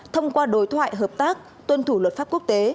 thông qua đối thoại hợp tác tuân thủ luật pháp quốc tế